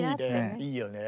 いいよね。